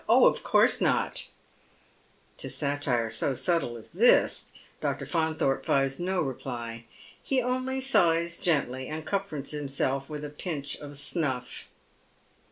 Oh, of course not !" To satire so subtle as this Dr. Faunthorpe finds no reply. He only sighs gently, and comforts himself with a pinch of snuff.